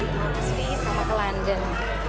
paris sama ke london